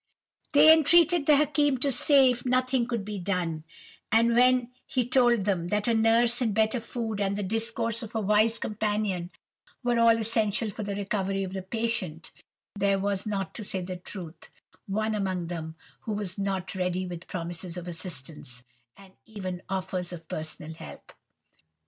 "They entreated the Hakim to say if nothing could be done, and when he told them that a nurse, and better food, and the discourse of a wise companion, were all essential for the recovery of the patient, there was not, to say the truth, one among them who was not ready with promises of assistance, and even offers of personal help.